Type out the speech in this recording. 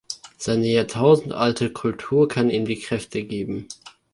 Seine jahrtausendealte Kultur kann ihm die Kräfte geben.